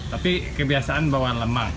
tapi kebiasaan bawa lemang